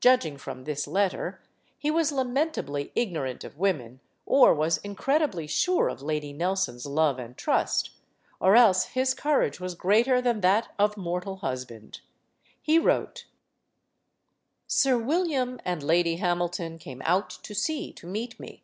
Judging from this letter, he was lament ably ignorant of women or was incredibly sure of Lady Nelson's love and trust. Or else his courage was greater than that of mortal husband. He wrote: Sir William and Lady Hamilton came out to sea to meet me.